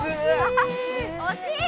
おしい！